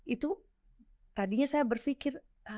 itu tadinya saya berpikir